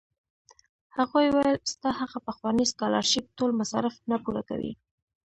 هغوی ویل ستا هغه پخوانی سکالرشېپ ټول مصارف نه پوره کوي.